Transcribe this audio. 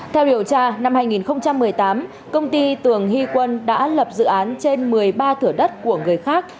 theo điều tra năm hai nghìn một mươi tám công ty tường hy quân đã lập dự án trên một mươi ba thửa đất của người khác